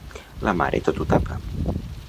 La mare tot ho tapa.